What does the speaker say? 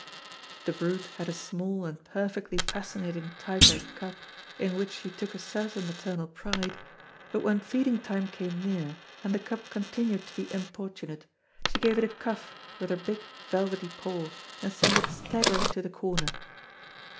The brute had a small and perfectly fascinating tiger cub, in which she took a certain maternal pride; but when feeding time came near, and the cub continued to be importunate, she gave it a cuff with her big velvety paw, and sent it staggering to the corner.